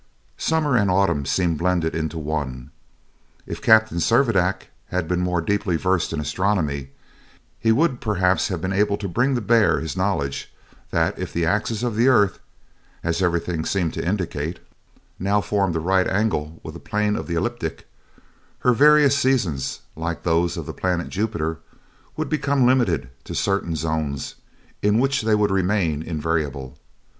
Summer and autumn seemed blended into one. If Captain Servadac had been more deeply versed in astronomy, he would perhaps have been able to bring to bear his knowledge that if the axis of the earth, as everything seemed to indicate, now formed a right angle with the plane of the ecliptic, her various seasons, like those of the planet Jupiter, would become limited to certain zones, in which they would remain invariable.